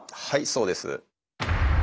はいそうです。